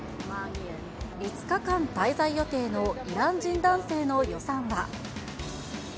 ５日間滞在予定のイラン人男性の予算は。